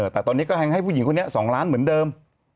แต่ตอนนี้ก็ยังให้ผู้หญิงคนนี้๒ล้านเหมือนเดิม